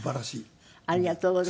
ありがとうございます。